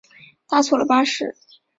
搭错了巴士